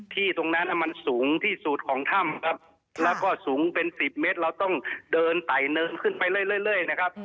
ที่ตรงนั้นมันสูงที่สุดของถ้ำครับแล้วก็สูงเป็นสิบเมตรเราต้องเดินไต่เนินขึ้นไปเรื่อยนะครับ